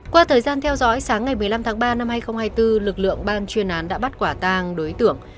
qua thời gian theo dõi sáng ngày một mươi năm tháng ba năm hai nghìn hai mươi bốn lực lượng ban chuyên án đã bắt quả tàng đối tượng